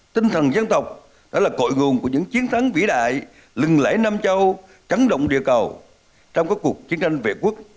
tinh thần dân tộc đó là cội nguồn của những chiến thắng vĩ đại lừng lẫy nam châu trắng động địa cầu trong các cuộc chiến tranh vệ quốc